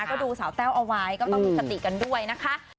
ก็ดูสาวแต้วเอาไว้ก็ต้องมีสติกันด้วยนะคะ